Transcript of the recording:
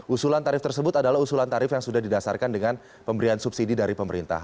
usulan tarif tersebut adalah usulan tarif yang sudah didasarkan dengan pemberian subsidi dari pemerintah